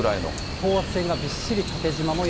等圧線がびっしり縦じま模様。